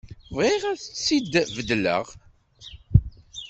Bɣiɣ ad tt-id-beddleɣ.